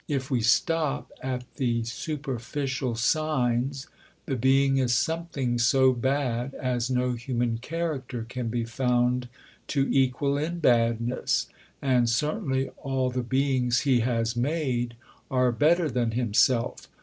If we stop at the superficial signs, the Being is something so bad as no human character can be found to equal in badness, and certainly all the beings He has made are better than Himself.